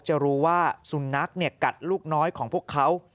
จะรู้ว่าสุนัขกัดลูกน้อยของพวกเขา